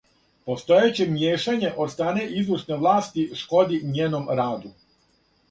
Постојеће мијешање од стране извршне власти шкоди њеном раду.